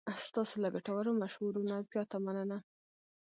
ستاسو له ګټورو مشورو نه زیاته مننه.